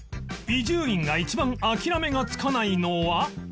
伊集院が一番諦めがつかないのは